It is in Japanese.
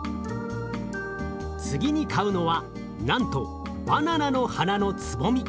次に買うのはなんとバナナの花のつぼみ。